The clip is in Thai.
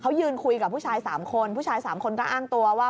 เขายืนคุยกับผู้ชาย๓คนผู้ชาย๓คนก็อ้างตัวว่า